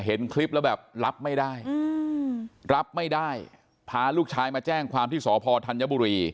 เห็นคลิปแล้วแบบรับไม่ได้รับไม่ได้พาลูกชายมาแจ้งความที่สพธัญบุรี